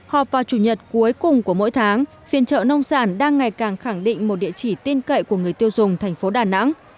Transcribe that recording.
họp vào chủ nhật cuối cùng của mỗi tháng phiên chợ nông sản đang ngày càng khẳng định một địa chỉ tin cậy của người tiêu dùng thành phố đà nẵng